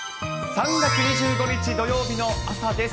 ３月２５日土曜日の朝です。